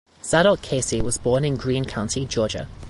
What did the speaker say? Zadok Casey was born in Greene County, Georgia.